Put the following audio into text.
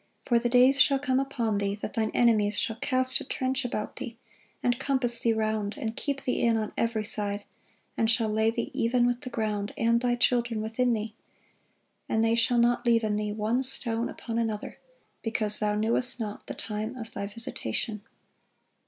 For the days shall come upon thee, that thine enemies shall cast a trench about thee, and compass thee round, and keep thee in on every side, and shall lay thee even with the ground, and thy children within thee; and they shall not leave in thee one stone upon another; because thou knewest not the time of thy visitation."